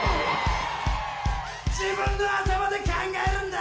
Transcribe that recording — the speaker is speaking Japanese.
自分の頭で考えるんだ。